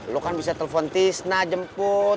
lo kan bisa telepon tisna jemput